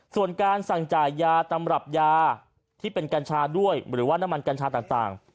ส่วนการสั่งจ่ายยาตำรับยาที่เป็นกัญชาด้วยหรือว่าน้ำมันกัญชาต่าง